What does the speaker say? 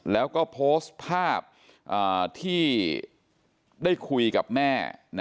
แล้วก็โพสต์ภาพที่ได้คุยกับแม่